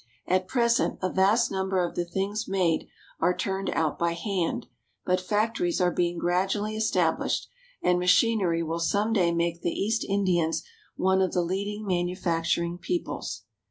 At present a vast number of the things made are turned out by hand ; but factories are being gradually established, and machinery will some day make the East Indians one of the leading manufacturing peoples.